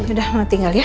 udah mau tinggal ya